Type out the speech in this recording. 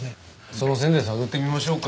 その線で探ってみましょうか。